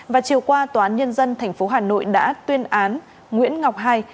và chiều qua tòa án nhân dân tp hà nội đã tuyên án nguyễn ngọc hai